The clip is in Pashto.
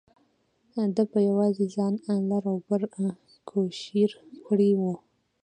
ده په یوازې ځان لر او بر کوشیر کړی و.